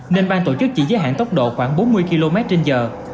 nên bang tổ chức chỉ giới hạn tốc độ khoảng bốn mươi km trên giờ